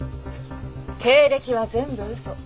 経歴は全部嘘。